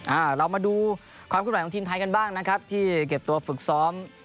อ่าเรามาดูความขึ้นไหวของทีมไทยกันบ้างนะครับที่เก็บตัวฝึกซ้อม